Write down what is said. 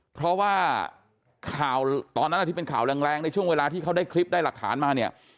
เพราะว่าข่าวตอนนั้นที่เป็นข่าวแรงในช่วงเวลาที่เขาได้คลิปได้หลักฐานมาเนี่ย